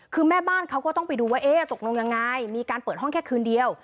คือแม่บ้านเขาก็ต้องไปดูว่าเอ๊ะตกลงยังไงมีการเปิดห้องแค่คืนเดียว